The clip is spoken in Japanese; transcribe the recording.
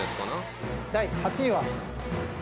第８位は。